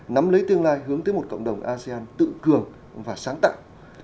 nắm lấy tương lai hướng tới một cộng đồng asean tự cường và sáng tạo